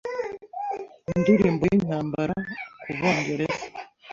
Indirimbo Yintambara Kubongereza